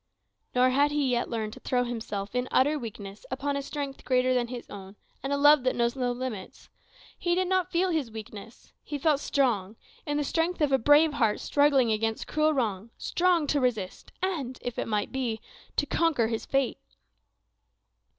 Nor had he yet learned to throw himself, in utter weakness, upon a strength greater than his own, and a love that knows no limits. He did not feel his weakness: he felt strong, in the strength of a brave heart struggling against cruel wrong; strong to resist, and, if it might be, to conquer his fate.